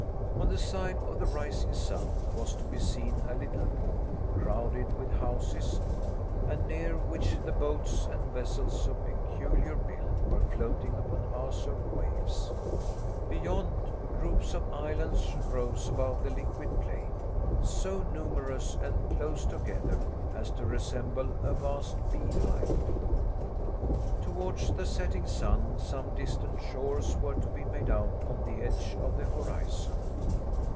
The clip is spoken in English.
On the side of the rising sun was to be seen a little port, crowded with houses, and near which the boats and vessels of peculiar build were floating upon azure waves. Beyond, groups of islands rose above the liquid plain, so numerous and close together as to resemble a vast beehive. Towards the setting sun, some distant shores were to be made out on the edge of the horizon.